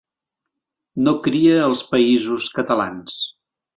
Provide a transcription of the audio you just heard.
No cria als Països Catalans.